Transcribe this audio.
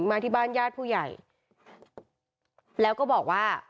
มาที่บ้านญาติผู้ใหญ่แล้วก็บอกว่า